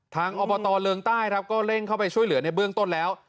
อบตเริงใต้ครับก็เร่งเข้าไปช่วยเหลือในเบื้องต้นแล้ว